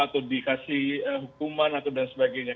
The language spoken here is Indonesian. atau dikasih hukuman atau dan sebagainya